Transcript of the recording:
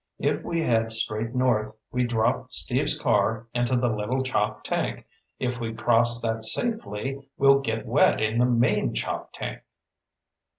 If we head straight north, we drop Steve's car into the Little Choptank. If we cross that safely, we'll get wet in the main Choptank."